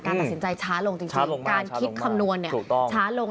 ตัดสินใจช้าลงจริงการคิดคำนวณช้าลง